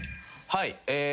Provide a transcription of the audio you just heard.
はい。